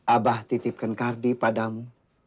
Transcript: abah titipkan kardi padamu